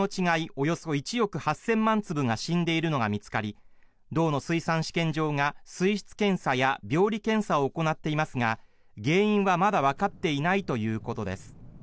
およそ１億８０００万粒が死んでいるのが見つかり道の水産試験場が水質検査や病理検査を行っていますが原因はまだわかっていないということです。